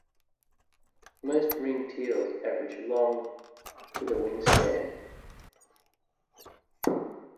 Most ringed teals average long, with a wingspan.